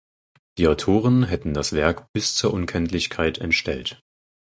Die Autoren hätten das Werk „bis zur Unkenntlichkeit entstellt“.